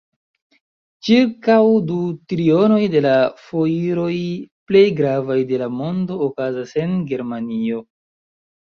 Ĉirkaŭ du trionoj de la fojroj plej gravaj de la mondo okazas en Germanio.